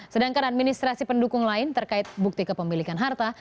sedangkan administrasi pendukung lain terkait bukti kepemilikan harta